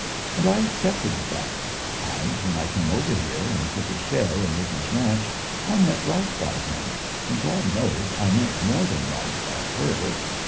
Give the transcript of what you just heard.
And I accepted the fact; and when I came over here and took a share in Micky's ranch I meant right by him, and God knows I meant more than right by her.